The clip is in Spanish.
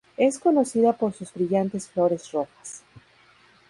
Es conocida por sus brillantes flores rojas.